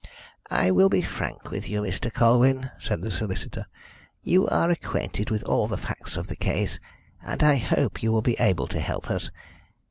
"I will be frank with you, Mr. Colwyn," said the solicitor. "You are acquainted with all the facts of the case, and I hope you will be able to help us.